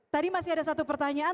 tadi masih ada satu pertanyaan